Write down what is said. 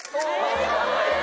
かわいい。